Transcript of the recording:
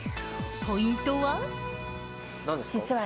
ポイントは？